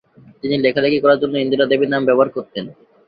তিনি লেখালেখি করার জন্য ইন্দিরা দেবী নাম ব্যবহার করতেন।